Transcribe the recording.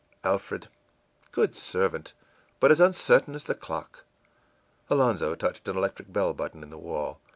ìAlfred!... Good servant, but as uncertain as the clock.î Alonzo touched an electric bell button in the wall.